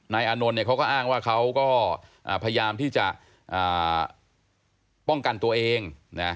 อานนท์เขาก็อ้างว่าเขาก็พยายามที่จะป้องกันตัวเอง